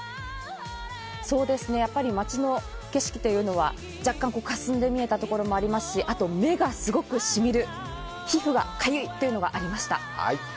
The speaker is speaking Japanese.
町の景色というのは若干かすんで見えたところもありますしあと、目がすごく染みる、皮膚がかゆいというのがありました。